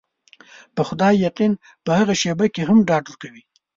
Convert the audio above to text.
په خدای يقين په هغه شېبه کې هم ډاډ ورکوي.